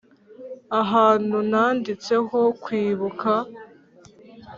ahantu nanditseho "kwibuka."